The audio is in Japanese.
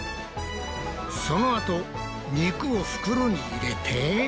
そのあと肉を袋に入れて。